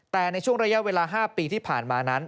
แต่ในช่วงระยะเวลา๕ปีที่ผ่านมานั้น